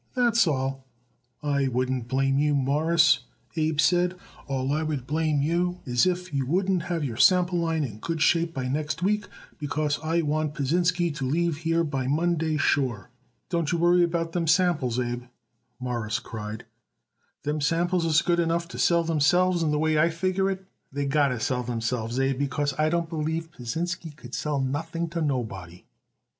That's all." "I wouldn't blame you, Mawruss," Abe said. "All I would blame you is if you wouldn't have our sample line in good shape by next week, because I want Pasinsky to leave here by Monday sure." "Don't you worry about them samples, Abe," Morris cried. "Them samples is good enough to sell themselves; and the way I figure it out, they got to sell themselves, Abe, because I don't believe Pasinsky could sell nothing to nobody."